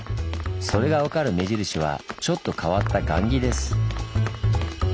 それが分かる目印はちょっと変わった雁木です。